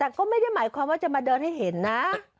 แต่ก็ไม่ได้หมายความว่าจะมาเดินให้เห็นนะ